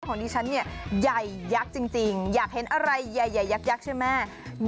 ของดิฉันเนี่ยใหญ่ยักษ์จริงอยากเห็นอะไรใหญ่ยักษ์ใช่ไหม